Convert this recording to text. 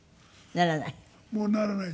ならない？